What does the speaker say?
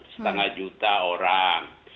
setengah juta orang